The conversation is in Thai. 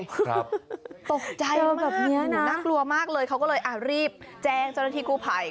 ครับตกใจมากน่ากลัวมากเลยเขาก็เลยอ่ะรีบแจ้งเจ้าหน้าที่กู้ไผ่